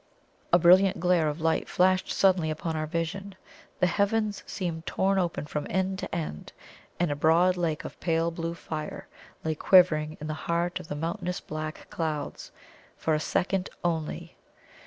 A brilliant glare of light flashed suddenly upon our vision. The heavens seemed torn open from end to end, and a broad lake of pale blue fire lay quivering in the heart of the mountainous black clouds for a second only.